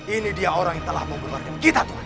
ini dia orang yang telah membuarkan kita tuh